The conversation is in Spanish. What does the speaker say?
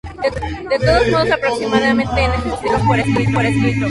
De todos modos, aproximadamente en ese siglo se pusieron por escrito.